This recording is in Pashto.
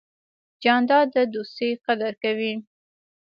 جانداد د دوستۍ قدر کوي.